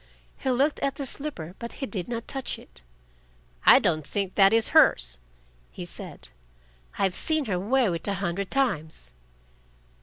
He looked at the slipper, but he did not touch it. "I don't think that is hers," he said. "I've seen her wear it a hundred times."